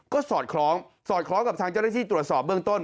ก็สอดคล้องสอดคล้องกับทางเจ้าหน้าที่ตรวจสอบเบื้องต้น